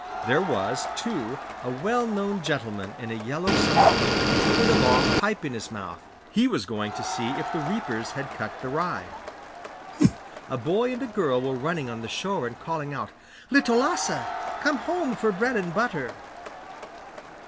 There was, too, a well known gentleman in a yellow summer coat, with a long pipe in his mouth; he was going to see if the reapers had cut the rye. A boy and a girl were running on the shore and calling out, 'Little Lasse! Come home for bread and butter!